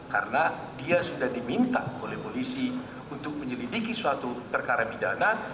karena dia sudah diminta oleh polisi untuk menyelidiki suatu perkara pidana